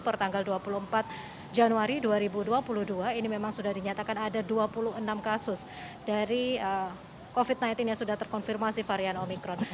per tanggal dua puluh empat januari dua ribu dua puluh dua ini memang sudah dinyatakan ada dua puluh enam kasus dari covid sembilan belas yang sudah terkonfirmasi varian omikron